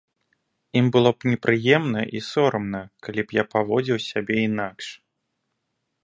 Ім было б непрыемна і сорамна, калі б я паводзіў сябе інакш.